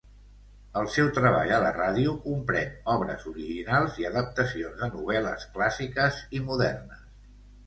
El seu treball a la ràdio comprèn obres originals i adaptacions de novel·les clàssiques i modernes.